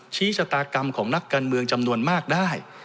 ชี้ชะตากรรมของนักการเมืองจำนวนมากได้